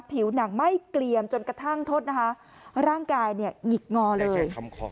ผิวหนังไม่เกลี่ยมจนกระทั่งโทษนะคะร่างกายเนี่ยหงิกงอเลย